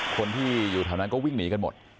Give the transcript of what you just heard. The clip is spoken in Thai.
คนที่อยู่แถวนั้นก็วิ่งหนีกันหมด